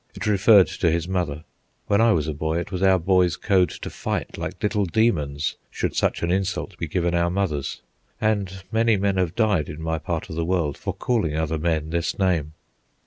It referred to his mother. When I was a boy it was our boys' code to fight like little demons should such an insult be given our mothers; and many men have died in my part of the world for calling other men this name.